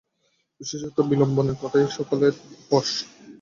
বিশেষত বিল্বনের কথায় সকলে বশ।